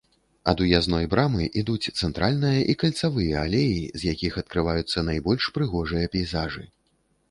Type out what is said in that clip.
Ад уязной брамы ідуць цэнтральная і кальцавыя алеі, з якіх адкрываюцца найбольш прыгожыя пейзажы.